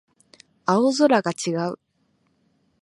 青空が違う